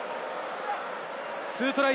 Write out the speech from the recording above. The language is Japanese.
２トライ